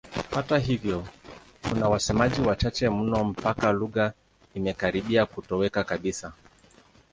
Hata hivyo kuna wasemaji wachache mno mpaka lugha imekaribia kutoweka kabisa.